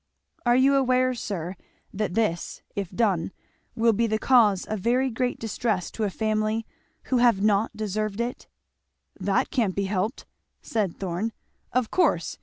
"Are you aware, sir, that this, if done, will be the cause of very great distress to a family who have not deserved it?" "That can't be helped," said Thorn. "Of course!